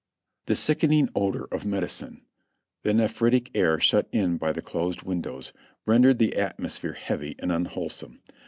The sickening odor of medicine, IN THE HOSPITAL 349 the nephritic air shut in by the closed windows, rendered the at mosphere heavy and unwholesome.